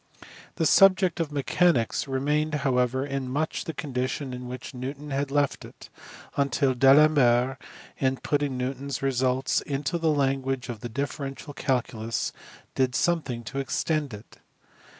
The subject of mechanics remained however in much the condition in which Newton had left it, until D Alembert, in putting Newton s results into the language of the differential calculus, did something to extend it.